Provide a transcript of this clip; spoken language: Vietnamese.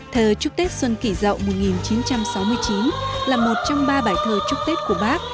thờ trúc tết xuân kỷ dậu một nghìn chín trăm sáu mươi chín là một trong ba bài thơ chúc tết của bác